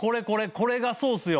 これがソースよ。